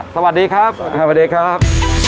สวัสดีครับสวัสดีครับ